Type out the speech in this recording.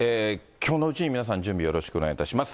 きょうのうちに皆さん、準備をよろしくお願いいたします。